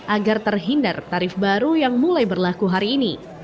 agar terhindar tarif baru yang mulai berlaku hari ini